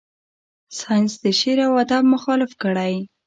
ساینس د شعر و ادب مخالفت کړی.